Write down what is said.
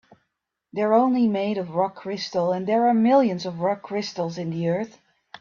They're only made of rock crystal, and there are millions of rock crystals in the earth.